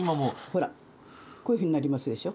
ほらこういうふうになりますでしょ。